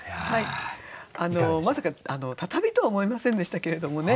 まさか畳とは思いませんでしたけれどもね。